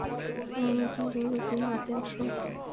তো মিঠুন, তুমি প্রতিদিন রাতে আসো।